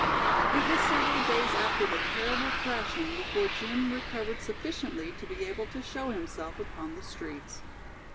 It was several days after the terrible thrashing before Jim recovered sufficiently to be able to show himself upon the streets.